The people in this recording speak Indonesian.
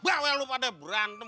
bahwa lo pada berantem